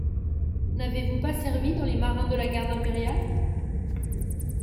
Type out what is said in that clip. N’avez-vous pas servi dans les marins de la garde impériale?